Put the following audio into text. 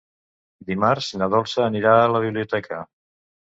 Dimarts na Dolça anirà a la biblioteca.